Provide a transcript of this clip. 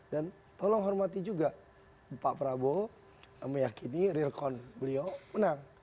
dan tolong hormati juga pak prabowo meyakini real corn beliau menang